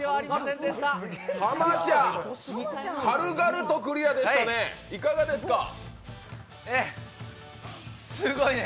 濱ちゃん、軽々とクリアでしたね。